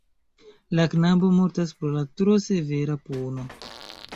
La knabo mortas pro la tro severa puno.